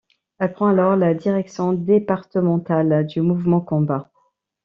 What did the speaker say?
Elle prend alors la direction départementale du mouvement Combat.